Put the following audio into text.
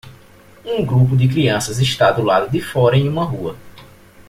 Um grupo de crianças está do lado de fora em uma rua.